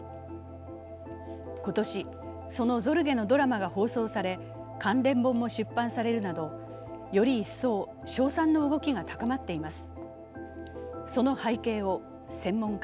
今年、そのゾルゲのドラマが放送され関連本も出版されるなどより一層、称賛の動きが高まっています。